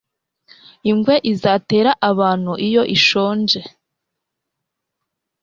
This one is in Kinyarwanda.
Ingwe izatera abantu iyo ishonje.